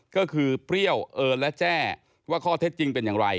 ก็คือเปรี้ยวเอิญและแจ้ว่าข้อเท็จจริงเป็นอย่างไร